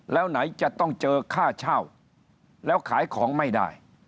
แล้วไหนจะต้องเจอค่าเช่าแล้วขายของไม่ได้